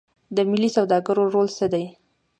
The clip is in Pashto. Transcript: د ملي سوداګرو رول څه دی؟